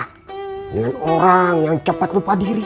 dengan orang yang cepat lupa diri